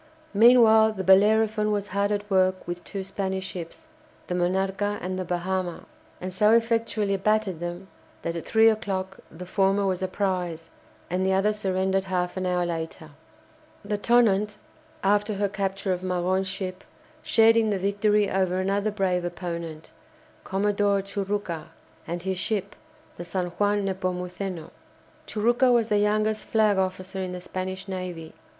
Meanwhile the "Bellerophon" was hard at work with two Spanish ships, the "Monarca" and the "Bahama," and so effectually battered them that at three o'clock the former was a prize, and the other surrendered half an hour later. The "Tonnant," after her capture of Magon's ship, shared in the victory over another brave opponent, Commodore Churucca, and his ship, the "San Juan Nepomuceno." Churucca was the youngest flag officer in the Spanish navy.